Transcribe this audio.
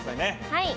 はい！